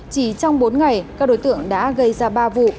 chỉ trong bốn ngày các đối tượng đã gây ra ba vụ